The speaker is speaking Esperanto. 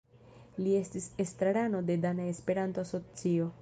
Li estis estrarano de Dana Esperanto Asocio.